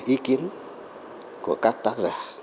ý kiến của các tác giả